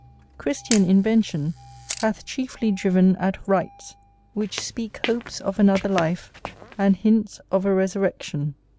Christian invention hath chiefly driven at rites, which speak hopes of another life, and hints of a resurrection.